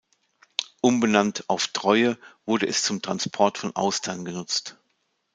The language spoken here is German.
Umbenannt auf "Treue" wurde es zum Transport von Austern genutzt.